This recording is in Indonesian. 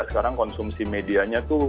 sekarang konsumsi medianya itu